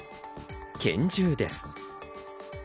拳銃です。